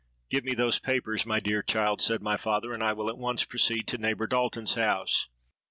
—'Give me those papers, my dear child,' said my father: 'and I will at once proceed to neighbour Dalton's house.